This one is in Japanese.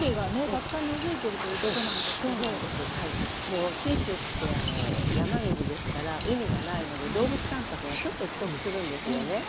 もう信州って山国ですから海がないので動物たんぱくがちょっと不足するんですよね。